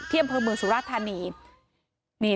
ที่อำเภอเมืองสุรทานี